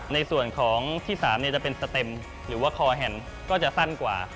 ในส่วนของที่๓จะเป็นสเต็มหรือว่าคอแฮนด์ก็จะสั้นกว่า